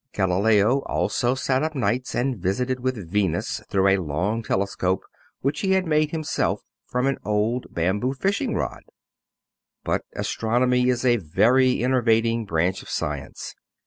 Galileo also sat up nights and visited with Venus through a long telescope which he had made himself from an old bamboo fishing rod. But astronomy is a very enervating branch of science.